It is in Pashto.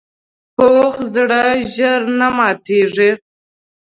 پوخ زړه ژر نه ماتیږي